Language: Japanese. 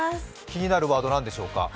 気になるワード何でしょうか？